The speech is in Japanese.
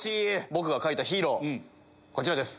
僕が描いたヒーローこちらです。